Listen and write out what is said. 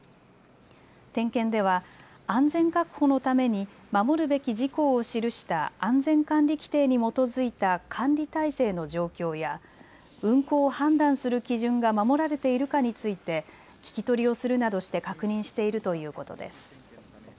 点検では安全確保のために守るべき事項を記した安全管理規程に基づいた管理体制の状況や運航を判断する基準が守られているかについて聞き取りをするなどして確認しているということです。